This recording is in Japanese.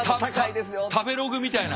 食べログみたいな。